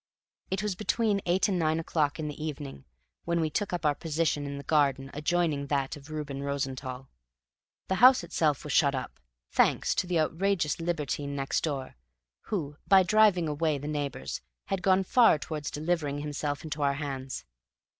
It was between eight and nine o'clock in the evening when we took up our position in the garden adjoining that of Reuben Rosenthall; the house itself was shut up, thanks to the outrageous libertine next door, who, by driving away the neighbors, had gone far towards delivering himself into our hands.